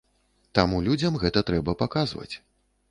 Таму людзям гэта трэба паказваць.